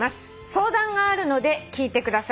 「相談があるので聞いてください」